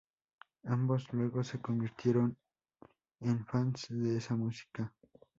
Ambos luego se convirtieron en fans de esa música.